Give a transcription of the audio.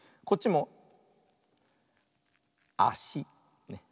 こっちもあし。